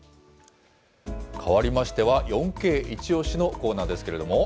変わりましては、４Ｋイチオシのコーナーですけれども。